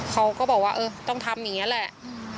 เขาก็บอกว่าเออต้องทำอย่างนี้แหละ